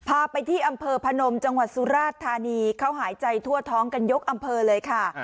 พาไปที่อำเภอพนมจังหวัดสุราชธานีเขาหายใจทั่วท้องกันยกอำเภอเลยค่ะ